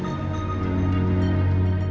aku lega sekarang